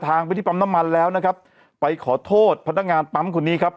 ไปที่ปั๊มน้ำมันแล้วนะครับไปขอโทษพนักงานปั๊มคนนี้ครับ